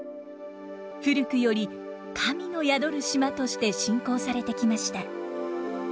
古くより神の宿る島として信仰されてきました。